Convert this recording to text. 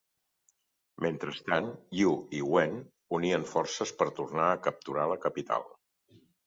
Mentrestant, Yu i Wen unien forces per tornar a capturar la capital.